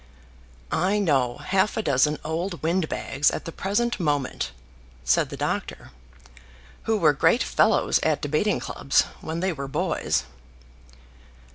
"I know half a dozen old windbags at the present moment," said the doctor, "who were great fellows at debating clubs when they were boys."